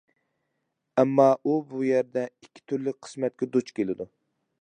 ئەمما ئۇ بۇ يەردە ئىككى تۈرلۈك قىسمەتكە دۇچ كېلىدۇ.